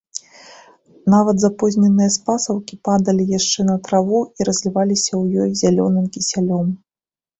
Нават запозненыя спасаўкі падалі яшчэ на траву і разліваліся ў ёй зялёным кісялём.